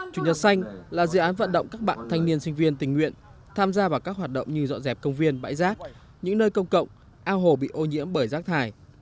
chủ nhật xanh là dự án vận động các bạn thanh niên sinh viên tình nguyện tham gia vào các hoạt động như dọn dẹp công viên bãi rác những nơi công cộng ao hồ bị ô nhiễm bởi rác thải